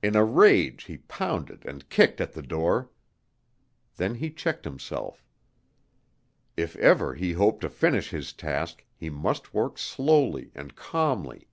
In a rage he pounded and kicked at the door. Then he checked himself. If ever he hoped to finish his task, he must work slowly and calmly.